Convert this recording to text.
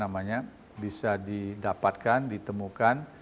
jadi semakin banyak yang bisa didapatkan ditemukan